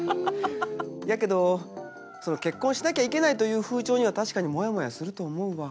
やけど結婚しなきゃいけないという風潮には確かにもやもやすると思うわ。